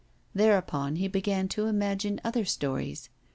Thereupon he began to imagine other stories.